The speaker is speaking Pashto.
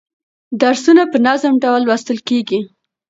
درسونه په منظم ډول لوستل کیږي.